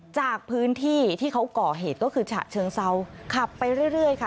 จากพื้นที่ที่เขาก่อเหตุก็คือฉะเชิงเซาขับไปเรื่อยค่ะ